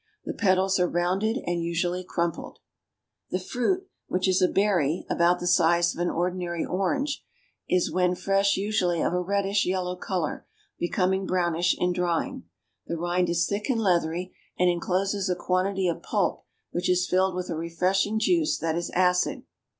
The petals are rounded and usually crumpled. The fruit, which is a berry about the size of an ordinary orange, is when fresh usually of a reddish yellow color, becoming brownish in drying. The rind is thick and leathery, and encloses a quantity of pulp which is filled with a refreshing juice that is acid.